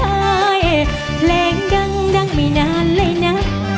เพราะทำไม่ได้แปลงดังดังไม่นานเลยนะ